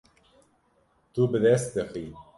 Tu bi dest dixî.